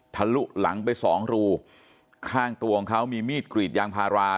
ทะลุหลังไปสองรูข้างตัวของเขามีมีดกรีดยางพารา